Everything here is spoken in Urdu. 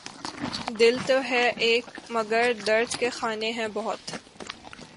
دل تو ہے ایک مگر درد کے خانے ہیں بہت